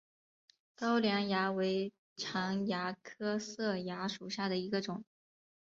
高梁蚜为常蚜科色蚜属下的一个种。